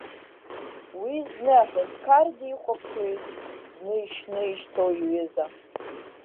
Уи зны аҳәынҭқар дихәаԥшуеит, зны ишьны ишьҭоу иҩыза.